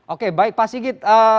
oke baik pak sigit